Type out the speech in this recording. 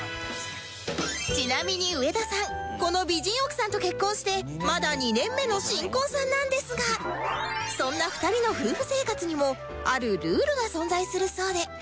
ちなみに上田さんこの美人奥さんと結婚してまだ２年目の新婚さんなんですがそんな２人の夫婦生活にもあるルールが存在するそうで